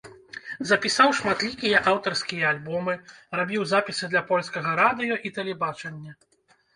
Запісаў шматлікія аўтарскія альбомы, рабіў запісы для польскага радыё і тэлебачання.